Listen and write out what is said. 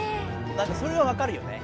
なんかそれは分かるよね。